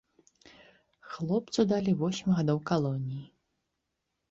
Хлопцу далі восем гадоў калоніі.